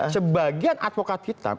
sebagian adpokat hitam